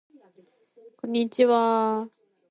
Only one place will be allocated to the hosts.